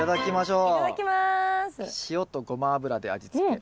塩とごま油で味付け。